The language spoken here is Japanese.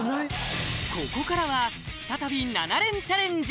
ここからは再び７連チャレンジ